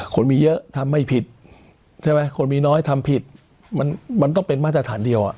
คนมีเยอะทำไม่ผิดใช่ไหมคนมีน้อยทำผิดมันต้องเป็นมาตรฐานเดียว